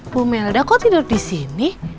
bu melda kok tidur disini